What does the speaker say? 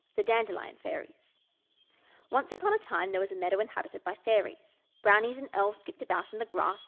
THE DANDELION FAIRIES Old Tale ONCE upon a time, there was a meadow inhab ited by Fairies. Brownies and Elves skipped about in the grass.